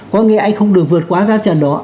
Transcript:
có nghĩa là anh không được vượt quá giá trần đó